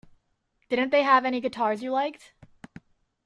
Didn't they have any guitars you liked?